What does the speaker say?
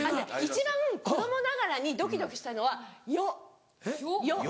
一番子供ながらにドキドキしたのは「よ」。「よ」。